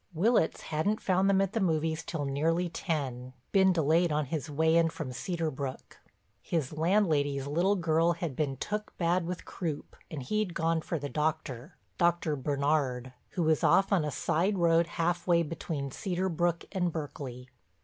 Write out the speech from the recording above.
Willitts hadn't found them at the movies till nearly ten—been delayed on his way in from Cedar Brook, his landlady's little girl had been took bad with croup and he'd gone for the doctor—Dr. Bernard, who was off on a side road half way between Cedar Brook and Berkeley.